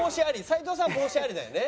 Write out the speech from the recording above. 斎藤さんは帽子ありだよね？